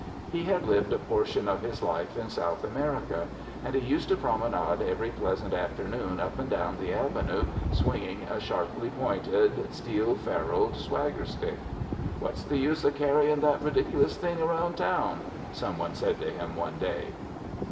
He had lived a portion of his life in South America, and he used to promenade every pleasant afternoon up and down the Avenue swinging a sharply pointed, steel ferruled swagger stick. "What's the use of carrying that ridiculous thing around town?" some one said to him one day.